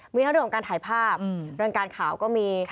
มีทั้งเรื่องของการถ่ายภาพเรื่องการข่าวก็มี